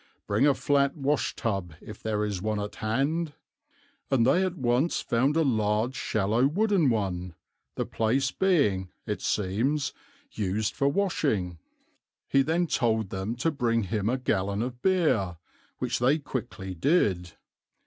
Bring a flat wash tub, if there is one at hand,' and they at once found a large shallow wooden one, the place being, it seems, used for washing. He then told them to bring him a gallon of beer, which they quickly did.